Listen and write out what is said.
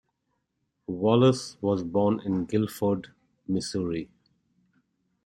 Wallace was born in Guilford, Missouri.